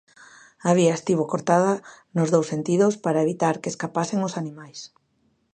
A vía estivo cortada nos dous sentidos para evitar que escapasen os animais.